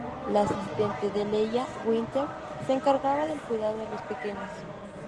La asistente de Leia, Winter, se encargaba del cuidado de los pequeños.